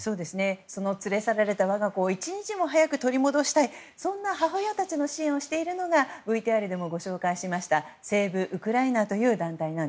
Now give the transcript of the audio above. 連れ去られた我が子を一日も早く取り戻したいという母親たちの支援をしているのがＶＴＲでもご紹介しましたセーブ・ウクライナという団体。